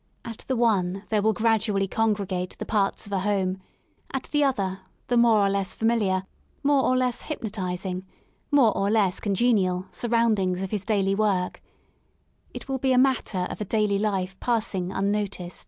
At the one there will gradually con gregate the parts of a home, at the other, the more or less familiar, more or less hypnotising, more or less congenial, surroundings of his daily work* It will be a matter of a daily life passing unnoticed.